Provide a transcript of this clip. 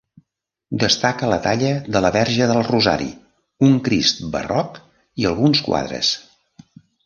Destaca la talla de la Verge del Rosari, un Crist barroc i alguns quadres.